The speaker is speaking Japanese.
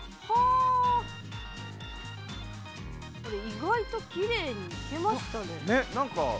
意外ときれいにいけましたね。